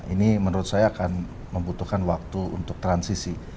ini menurut saya akan membutuhkan waktu untuk transisi